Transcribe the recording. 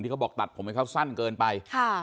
เขาบอกตัดผมให้เขาสั้นเกินไป